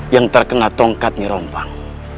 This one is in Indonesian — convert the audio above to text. yang terkena tongkatnya rompang